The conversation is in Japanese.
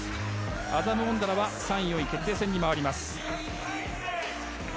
アダム・オンドラは３位、４位決定戦に回ります。